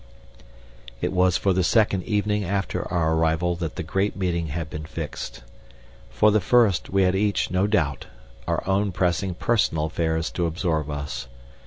It was for the second evening after our arrival that the great meeting had been fixed. For the first, we had each, no doubt, our own pressing personal affairs to absorb us.